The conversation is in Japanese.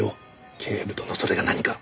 警部殿それが何か？